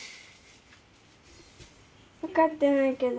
分かってないけど。